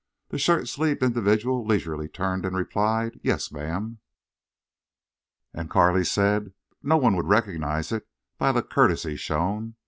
The shirt sleeved individual leisurely turned and replied, "Yes, ma'am." And Carley said: "No one would recognize it by the courtesy shown.